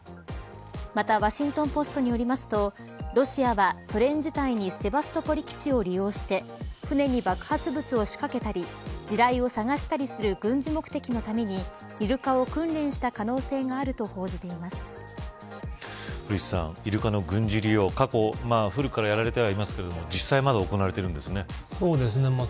またワシントン・ポストによりますとロシアは、ソ連時代にセバストポリ基地を利用して船に爆発物を仕掛けたり地雷を探したりする軍事目的のためにイルカを訓練した可能性があると古市さん、イルカの軍事利用古くからやられておりますが実際まだ行われているんですね。